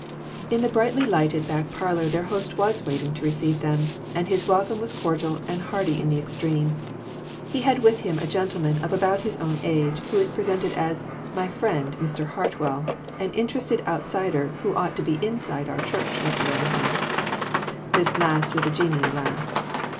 In the brightly lighted back parlor their host was waiting to receive them, and his welcome was cordial and hearty in the extreme. He had with him a gentleman of about his own age, who was presented as " My friend, Mr. Hartwell, an inter ested outsider who ought to be inside our church, Mr. Remington." This last with a genial laugh.